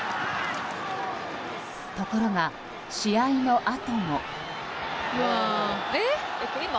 ところが、試合のあとも。